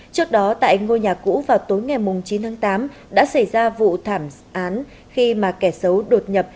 trước đó tại ngôi nhà cũ vào tối ngày chín tháng tám đã xảy ra vụ thảm án khi mà kẻ xấu đột nhập